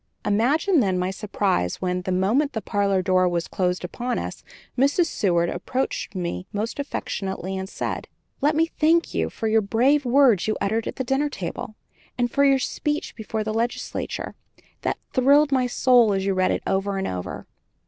Imagine, then, my surprise when, the moment the parlor door was closed upon us, Mrs. Seward, approaching me most affectionately, said: "Let me thank you for the brave words you uttered at the dinner table, and for your speech before the legislature, that thrilled my soul as I read it over and over."